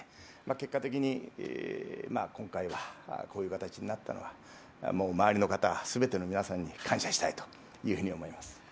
結果的に今回はこういう形になったのは周りの方、全ての皆さんに感謝したいと思います。